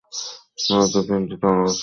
নদীটা তিনটা তাল গাছের মতো গভীর।